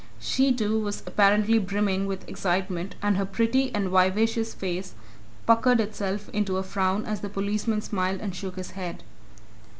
She, too, was apparently brimming with excitement, and her pretty and vivacious face puckered itself into a frown as the policeman smiled and shook his head.